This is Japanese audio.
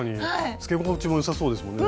つけ心地もよさそうですもんね。